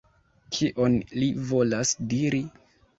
Kion li volas diri?